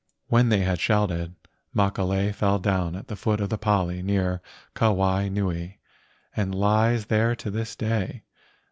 When they had shouted, Makalei fell down at the foot of the pali near Ka wai nui, and lies there to this day.